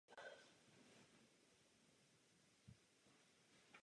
Proto mohu říct, že jsem s dosaženým výsledkem naprosto spokojený.